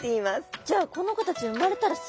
じゃあこの子たち産まれたらすぐ泳げるの？